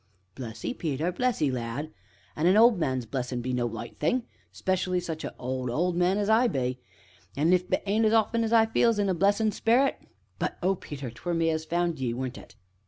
"Bless 'ee, Peter bless 'ee, lad! an' a old man's blessin' be no light thing 'specially such a old, old man as I be an' it bean't often as I feels in a blessin' sperrit but oh, Peter! 'twere me as found ye, weren't it?"